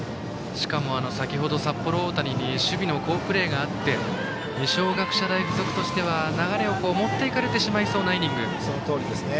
しかも先程、札幌大谷に守備の好プレーがあって二松学舎大付属としては流れを持っていかれてしまいそうなイニング。